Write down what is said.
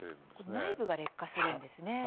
内部が劣化するんですね。